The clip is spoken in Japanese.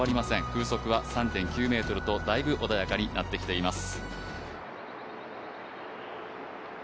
風速は３．９メートルとだいぶ穏やかになってきています。